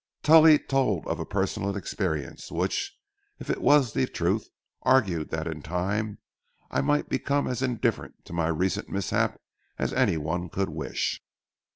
Tully told a personal experience, which, if it was the truth, argued that in time I might become as indifferent to my recent mishap as any one could wish.